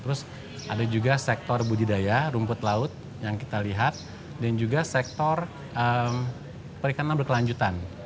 terus ada juga sektor budidaya rumput laut yang kita lihat dan juga sektor perikanan berkelanjutan